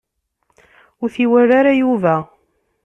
Ur t-iwala ara Yuba.